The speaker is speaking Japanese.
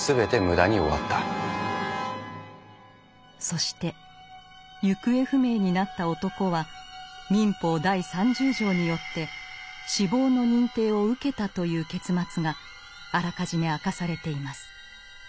そして行方不明になった男は民法第三十条によって死亡の認定を受けたという結末があらかじめ明かされています。